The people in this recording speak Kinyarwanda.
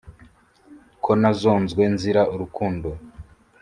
Ko nazonzwe nzira urukundo.